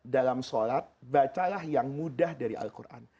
dalam sholat bacalah yang mudah dari al quran